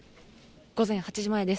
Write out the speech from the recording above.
午前８時前です。